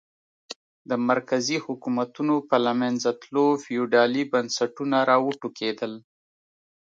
د مرکزي حکومتونو په له منځه تلو فیوډالي بنسټونه را وټوکېدل.